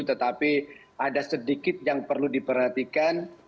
tetapi ada sedikit yang perlu diperhatikan